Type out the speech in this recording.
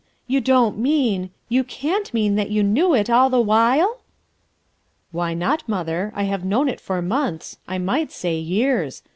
You don't mean, you cant mean that you knew it all the while!" "Why not, mother? I have known it for months, I might say years.